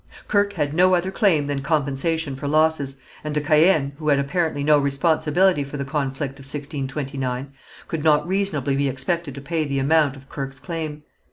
Kirke had no other claim than compensation for losses, and de Caën, who had apparently no responsibility for the conflict of 1629, could not reasonably be expected to pay the amount of Kirke's claim.